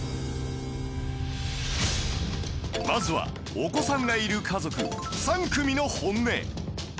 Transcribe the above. まずはお子さんがいる家族３組の本音